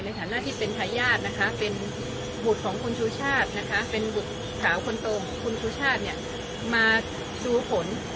ในฐานะที่เป็นทายาธิ์เป็นขุดของคุณชูชาติหลักขาคนโตคุณชูชาติมาดูผล